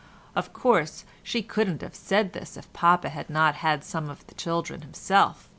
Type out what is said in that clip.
Of course, she couldn't have said this if papa had not had some of the children himself.